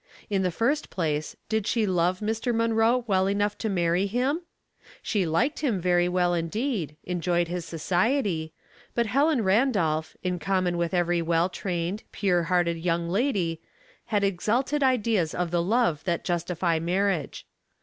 In the first place, did she love Mr. Munroe well enough to marry him ? She liked him very well indeed, enjoyed his society , but Helen Randolph, in common with every well trained, pure hearted young lady, had ex alted ideas of the love that justify marriage.